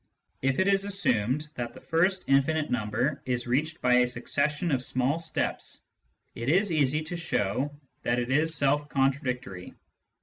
If it is assumed that the first infinite number is reached by a succession of small steps, it is easy to show that it is self contradictory.